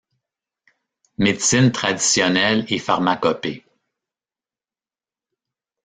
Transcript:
Médecine traditionnelle et pharmacopée.